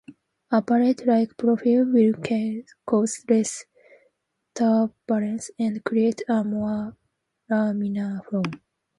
A bullet-like profile will cause less turbulence and create a more laminar flow.